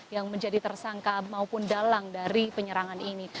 yang menjadi tersangka maupun dalang dari penyerangan ini